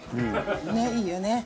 ねっいいよね。